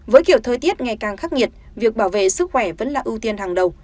với kiểu thời tiết ngày càng khắc nghiệt việc bảo vệ sức khỏe vẫn là ưu tiên hàng đầu